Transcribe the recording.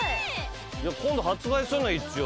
今度発売すんの一応。